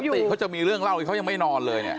ติเขาจะมีเรื่องเล่าที่เขายังไม่นอนเลยเนี่ย